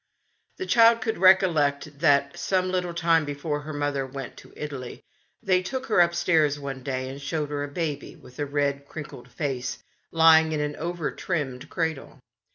The child could recollect that, some little time before her mother went to Italy, they took her upstairs one day and showed her a baby, with a red, crinkled face, lying in an over trimmed cradle.